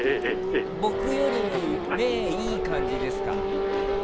僕より目いい感じですか？